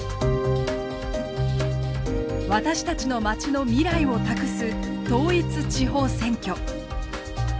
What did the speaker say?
私たちのまちの未来を託す統一地方選挙。